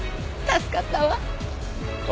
「助かった」